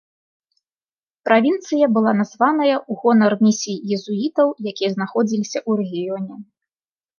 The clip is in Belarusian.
Правінцыя была названая ў гонар місій езуітаў, якія знаходзіліся ў рэгіёне.